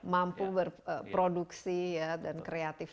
mampu berproduksi dan kreatif